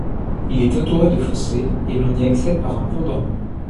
Il est entouré de fossés et l'on y accède par un pont dormant.